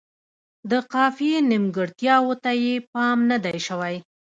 د قافیې نیمګړتیاوو ته یې پام نه دی شوی.